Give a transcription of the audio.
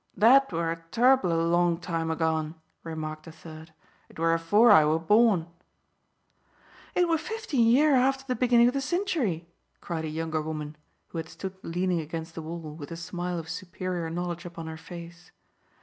"That were a ter'ble long time agone," remarked a third. "It were afore I were born." "It were fifteen year after the beginnin' of the century," cried a younger woman, who had stood leaning against the wall, with a smile of superior knowledge upon her face.